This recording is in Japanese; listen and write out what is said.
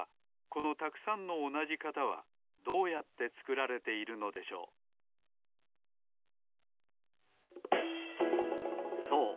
このたくさんのおなじ型はどうやってつくられているのでしょうそう